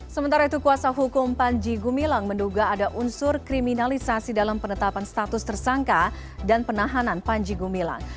sementara itu kuasa hukum panji gumilang menduga ada unsur kriminalisasi dalam penetapan status tersangka dan penahanan panji gumilang